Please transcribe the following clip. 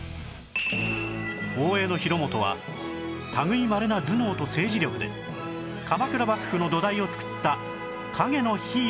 大江広元は類いまれな頭脳と政治力で鎌倉幕府の土台を作った陰のヒーローだったのです